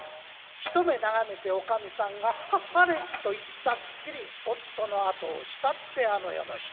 一目眺めておかみさんが「あれっ」と言ったっきり夫の後を慕ってあの世の人。